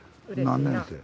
何年生？